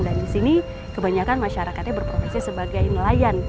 dan di sini kebanyakan masyarakatnya berprofesi sebagai nelayan